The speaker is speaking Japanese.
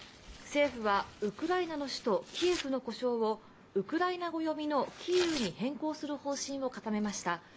政府はウクライナの首都キエフの呼称をウクライナ語読みのキーウに変更する方針を決めました。